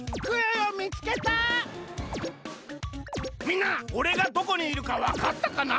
みんなおれがどこにいるかわかったかな？